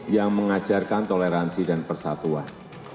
yang mengajarkan toleransi dan persatuan